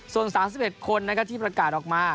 ส่วน๓๑คนที่ประกาศออกมา